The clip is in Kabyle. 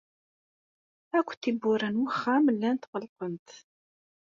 Akk tiwwura n wexxam llant ɣelqent.